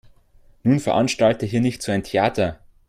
Nun veranstalte hier nicht so ein Theater.